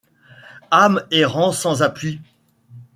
Âme errant sans appuis